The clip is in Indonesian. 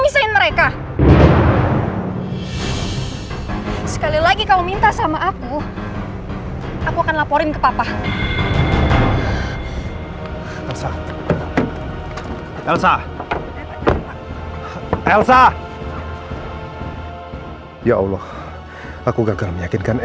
sampai jumpa di video selanjutnya